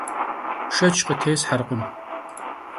Şşeç khıtêsherkhım.